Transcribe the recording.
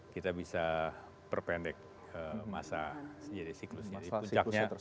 kita bisa perpendek masa jadi siklusnya